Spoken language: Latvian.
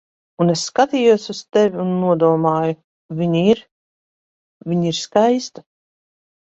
Un es skatījos uz tevi un nodomāju: "Viņa ir... Viņa ir skaista."